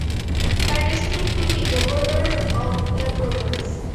Patti stood to be governor of the Province.